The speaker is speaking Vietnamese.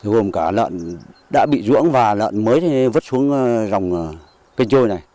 gồm cả lợn đã bị ruộng và lợn mới vứt xuống dòng kênh trôi này